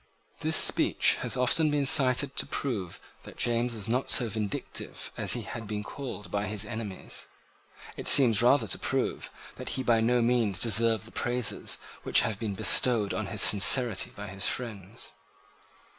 This speech has often been cited to prove that James was not so vindictive as he had been called by his enemies. It seems rather to prove that he by no means deserved the praises which have been bestowed on his sincerity by his friends.